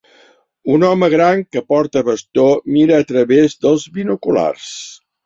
Un home gran que porta bastó mira a través dels binoculars